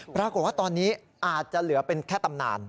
ปรากฏว่าตอนนี้อาจจะเหลือเป็นแค่ตำนาน